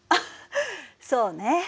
そうね。